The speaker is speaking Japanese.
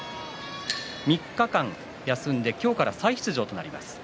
３日間休んで今日から再出場となります。